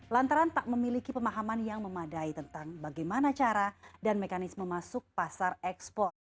lantaran tak memiliki pemahaman yang memadai tentang bagaimana cara dan mekanisme masuk pasar ekspor